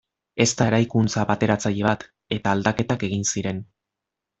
Ez da eraikuntza bateratzaile bat, eta aldaketak egin ziren.